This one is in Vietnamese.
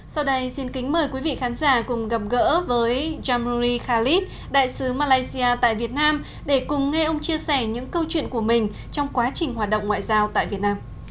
sau đây xin kính mời quý vị khán giả cùng gặp gỡ với jamori khalid đại sứ malaysia tại việt nam để cùng nghe ông chia sẻ những câu chuyện của mình trong quá trình hoạt động ngoại giao tại việt nam